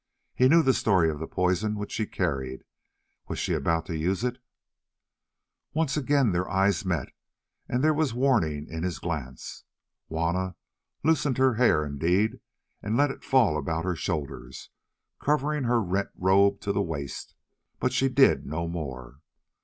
He knew the story of the poison which she carried: was she about to use it? Once again their eyes met, and there was warning in his glance. Juanna loosed her hair indeed, and let it fall about her shoulders, covering her rent robe to the waist, but she did no more.